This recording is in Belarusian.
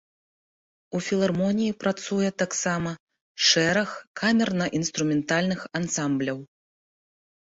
У філармоніі працуе таксама шэраг камерна-інструментальных ансамбляў.